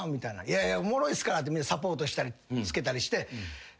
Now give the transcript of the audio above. いやいやおもろいっすからってみんなサポートしたりつけたりして。